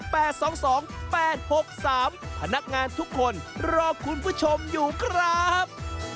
พนักงานทุกคนรอคุณผู้ชมอยู่ครับ